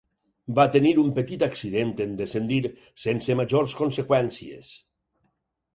Va tenir un petit accident en descendir, sense majors conseqüències.